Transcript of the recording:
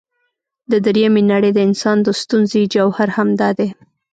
د درېمې نړۍ د انسان د ستونزې جوهر همدا دی.